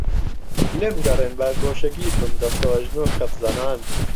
لێم گەڕێن با گۆشەگیر بم دەستەوئەژنۆ کەفزەنان